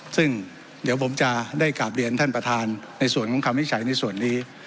ซึ่งเดี๋ยวผมจะได้กราบเรียนท่านประธานในส่วนของคำวิจัยในส่วนนี้